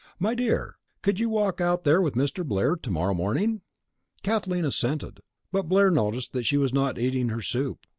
My dear, could you walk out there with Mr. Blair to morrow morning?" Kathleen assented, but Blair noticed that she was not eating her soup.